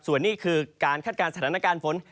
ส่วนนี้คือการคาดการณ์สถานการณ์ฝน